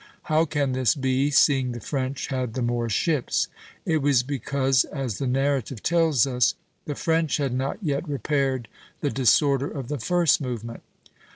How can this be, seeing the French had the more ships? It was because, as the narrative tells us, "the French had not yet repaired the disorder of the first movement."